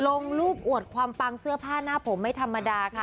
ลงรูปอวดความปังเสื้อผ้าหน้าผมไม่ธรรมดาค่ะ